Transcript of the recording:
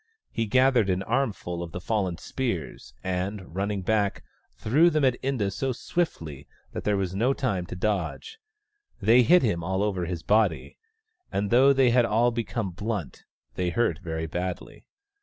He gathered an armful of the fallen spears, and, running back, threw them at Inda so swiftly that there was no time to dodge. They hit him all over his body, and though they had all become blunt, they hurt very badly.